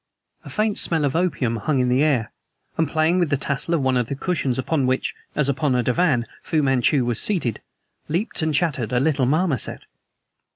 A faint smell of opium hung in the air, and playing with the tassel of one of the cushions upon which, as upon a divan, Fu Manchu was seated, leaped and chattered a little marmoset.